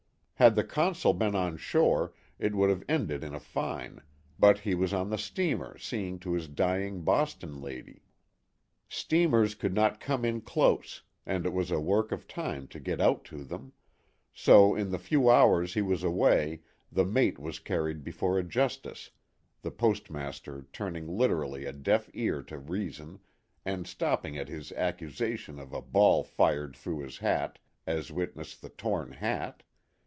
Had the Consul been on shore it would have ended in a fine ; but he was on the steamer seeing to the dying Boston lady. Steamers could not come in close, and it was a work of time to get out to them ; so in the few hours he was away the mate was carried before a jus tice, the Postmaster turning literally a deaf ear to reason, and stopping at his accusation of " a ball fired through his hat," as witness the torn hat